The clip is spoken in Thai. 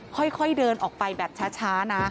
ค่อยเดินออกไปแบบช้านะ